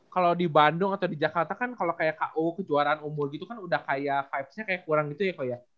kalau di bandung atau di jakarta kan kalau kayak ku kejuaraan umur gitu kan udah kayak vibesnya kayak kurang gitu ya kalau ya